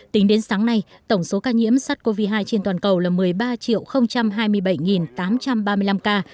tính đến sáng nay tổng số ca nhiễm sars cov hai trên toàn cầu là một mươi ba hai mươi bảy tám trăm ba mươi năm ca